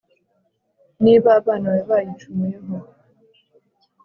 niba abana bawe bayicumuyeho,